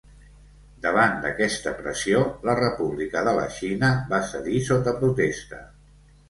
Davant d'aquesta pressió, la República de la Xina va cedir sota protesta.